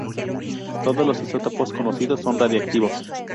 Todos los isótopos conocidos son radiactivos.